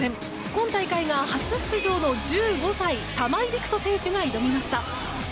今大会が初出場の１５歳玉井陸斗選手が挑みました。